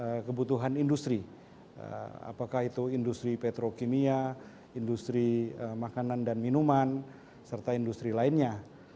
untuk kebutuhan industri apakah itu industri petrokimia industri makanan dan minuman serta industri lainnya